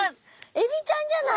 エビちゃんじゃない？